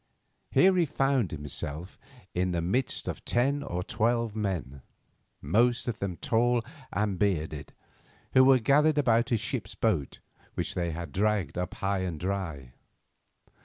Here he found himself in the midst of ten or twelve men, most of them tall and bearded, who were gathered about a ship's boat which they had dragged up high and dry.